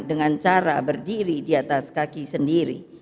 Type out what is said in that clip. dengan cara berdiri di atas kaki sendiri